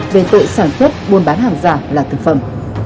về tội sản xuất buôn bán hàng giả là thực phẩm